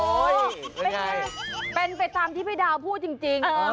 เป็นไงเป็นไปตามที่พี่ดาวพูดจริง